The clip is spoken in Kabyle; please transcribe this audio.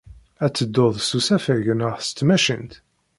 Ad teddud s usafag neɣ s tmacint?